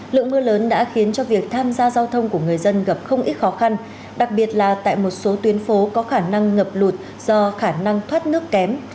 lượng mưa lớn đã khiến cho việc tham gia giao thông của người dân gặp không ít khó khăn đặc biệt là tại một số tuyến phố có khả năng ngập lụt do khả năng thoát nước kém